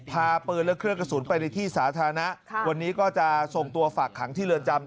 พาปืนและเครื่องกระสุนไปในที่สาธารณะวันนี้ก็จะส่งตัวฝากขังที่เรือนจำ